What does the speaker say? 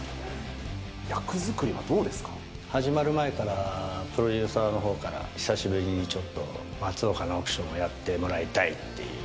始まる前からプロデューサーのほうから久しぶりにちょっと、松岡にアクションをやってもらいたいっていう。